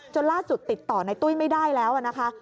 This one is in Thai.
ล่าสุดติดต่อในตุ้ยไม่ได้แล้วนะคะ